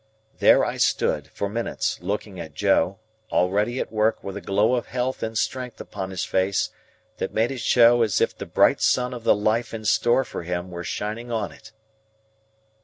There I stood, for minutes, looking at Joe, already at work with a glow of health and strength upon his face that made it show as if the bright sun of the life in store for him were shining on it.